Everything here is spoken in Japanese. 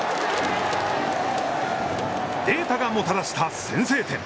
データがもたらした先制点。